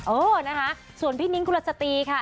เออนะคะส่วนพี่นิ้งกุลสตรีค่ะ